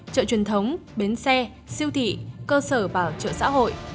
chợ truyền thống bến xe siêu thị cơ sở và chợ xã hội